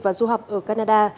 và du học ở canada